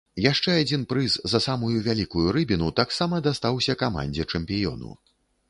Яшчэ адзін прыз, за самую вялікую рыбіну, таксама дастаўся камандзе-чэмпіёну.